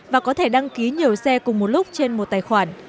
và có thể đăng ký nhiều xe cùng một lúc trên một tài khoản